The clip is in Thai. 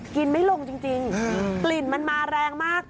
ไม่ลงจริงกลิ่นมันมาแรงมาก